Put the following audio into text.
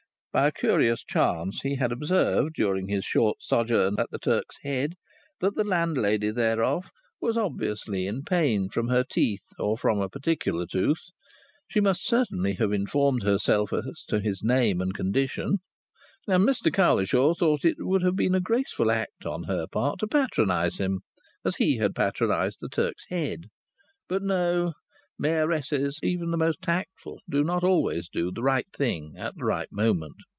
By a curious chance, he had observed, during his short sojourn at the Turk's Head, that the landlady thereof was obviously in pain from her teeth, or from a particular tooth. She must certainly have informed herself as to his name and condition, and Mr Cowlishaw thought that it would have been a graceful act on her part to patronize him, as he had patronized the Turk's Head. But no! Mayoresses, even the most tactful, do not always do the right thing at the right moment.